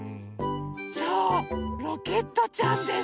そうロケットちゃんです！